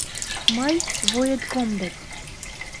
Мый — военком дек!